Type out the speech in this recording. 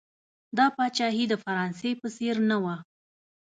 دا پاچاهي د فرانسې په څېر نه وه.